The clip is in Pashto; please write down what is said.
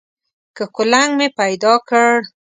که کولنګ مې پیدا کړ.